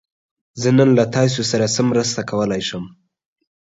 زه نن له تاسو سره څه مرسته کولی شم؟